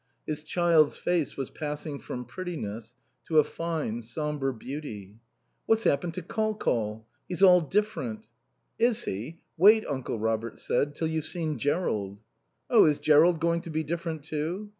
His child's face was passing from prettiness to a fine, sombre beauty. "What's happened to Col Col? He's all different?" "Is he? Wait," Uncle Robert said, "till you've seen Jerrold." "Oh, is Jerrold going to be different, too?"